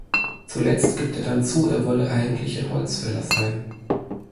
Zuletzt gibt er dann zu, er wolle eigentlich ein Holzfäller sein.